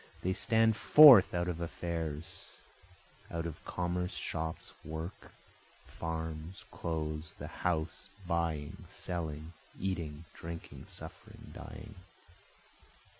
They stand forth out of affairs, out of commerce, shops, work, farms, clothes, the house, buying, selling, eating, drinking, suffering, dying.